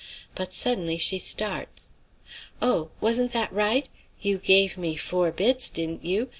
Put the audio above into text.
But suddenly she starts. "Oh! wasn't that right? You gave me four bits, didn't you?